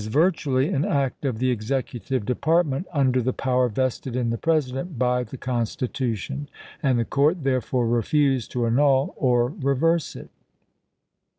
virtually an act of the Executive Department under the power vested in the President by the Constitution, and the court therefore refused to annul or reverse it.